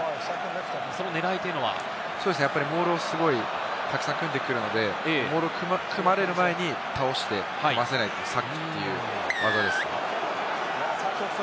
モールをすごいたくさん組んでくるので、モールを組まれる前に倒して、組ませないというサックという技ですね。